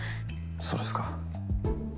そうですか。